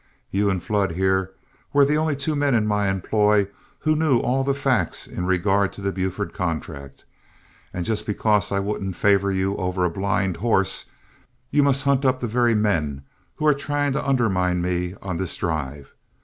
You and Flood, here, were the only two men in my employ who knew all the facts in regard to the Buford contract. And just because I wouldn't favor you over a blind horse, you must hunt up the very men who are trying to undermine me on this drive.